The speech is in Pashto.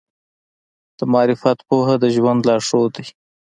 د معرفت پوهه د ژوند لارښود دی.